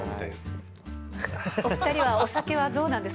お２人はお酒はどうなんです